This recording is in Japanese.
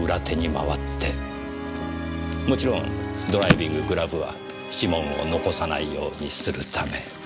もちろんドライビンググラブは指紋を残さないようにするため。